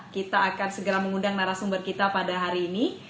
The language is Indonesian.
kita akan segera mengundang narasumber kita pada hari ini